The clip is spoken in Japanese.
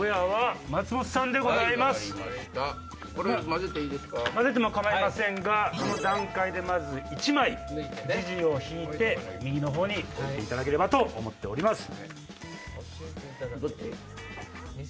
混ぜても構いませんがこの段階でまず１枚ジジを引いて右のほうに置いていただければと思っております。